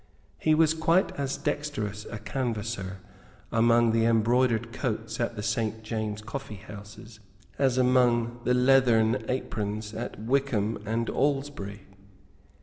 He was quite as dexterous a canvasser among the embroidered coats at the Saint James's Coffeehouse as among the leathern aprons at Wycombe and Aylesbury.